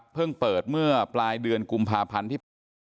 เพิ่งเปิดเมื่อปลายเดือนกุมภาพันธ์ที่